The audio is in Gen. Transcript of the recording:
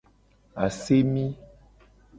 Asemi.